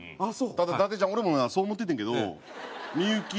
ただ伊達ちゃん俺もなそう思っててんけどみゆき